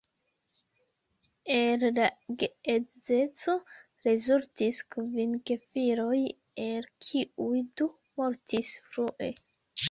El la geedzeco rezultis kvin gefiloj, el kiuj du mortis frue.